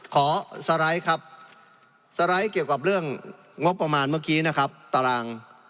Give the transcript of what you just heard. สไลด์ครับสไลด์เกี่ยวกับเรื่องงบประมาณเมื่อกี้นะครับตาราง